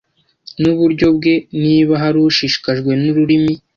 nuburyo bweNiba hari ushishikajwe nururimi